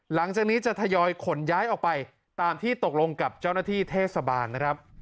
หลังจากนี้จะทยอยขนย้ายออกไปตามที่ตกลงกับเจ้าหน้าที่เทศบาลนะครับ